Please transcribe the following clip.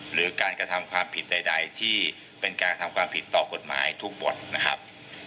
หรือการกระทำความผิดใดที่เป็นการกระทำความผิดต่อกฎหมายทุกบทนะครับ